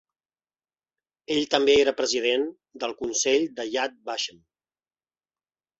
Ell també era president del consell de Yad Vashem.